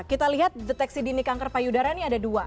kita lihat deteksi dini kanker payudara ini ada dua